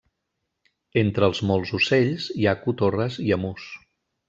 Entre els molts ocells, hi ha cotorres i emús.